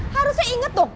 harusnya inget dong